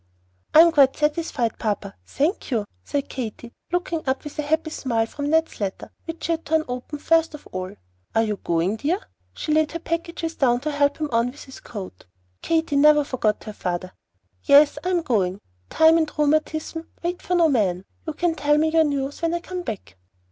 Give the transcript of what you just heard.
"I am quite satisfied, Papa, thank you," said Katy, looking up with a happy smile from Ned's letter, which she had torn open first of all. "Are you going, dear?" She laid her packages down to help him on with his coat. Katy never forgot her father. "Yes, I am going. Time and rheumatism wait for no man. You can tell me your news when I come back."